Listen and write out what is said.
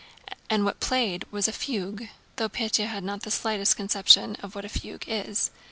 And what was played was a fugue—though Pétya had not the least conception of what a fugue is.